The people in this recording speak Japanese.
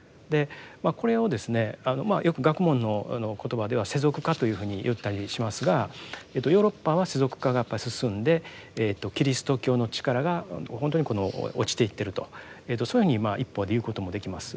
これをですねよく学問の言葉では「世俗化」というふうに言ったりしますがヨーロッパは世俗化がやっぱり進んでキリスト教の力がほんとにこの落ちていってるとそういうふうに一方で言うこともできます。